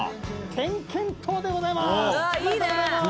点検灯でございます。